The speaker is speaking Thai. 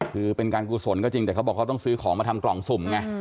คือเป็นการกุศลก็จริงแต่เขาบอกเขาต้องซื้อของมาทำกล่องสุ่มไง